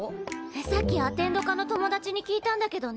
さっきアテンド科の友達に聞いたんだけどね